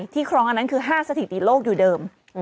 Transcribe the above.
ครองอันนั้นคือ๕สถิติโลกอยู่เดิม